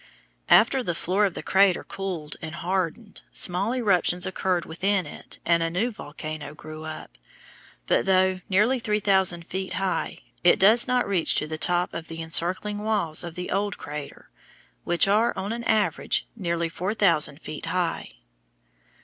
After the floor of the crater cooled and hardened, small eruptions occurred within it and a new volcano grew up, but, though nearly three thousand feet high, it does not reach to the top of the encircling walls of the old crater, which are, on an average, nearly four thousand feet high.